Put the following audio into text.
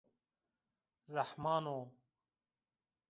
Rehman o